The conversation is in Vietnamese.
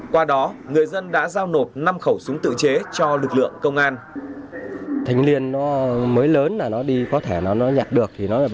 qua đó người dân đã giao nộp năm khẩu súng tự chế cho lực lượng công an